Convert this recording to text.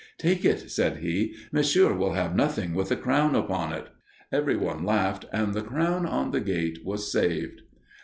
"Take it," said he; "Monsieur will have nothing with a crown upon it." Every one laughed, and the crown on the gate was saved.